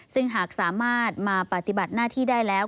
ซึ่งหากสามารถมาปฏิบัติหน้าที่ได้แล้ว